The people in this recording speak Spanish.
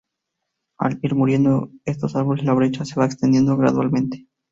Al ir muriendo estos árboles, la brecha se va extendiendo gradualmente.